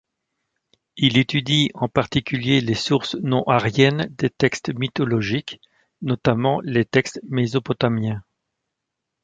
Il étudie en particulier les sources non-aryennes des textes mythologiques, notamment les textes mésopotamiens.